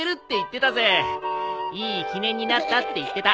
いい記念になったって言ってた。